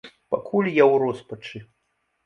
Пакуль я ў роспачы.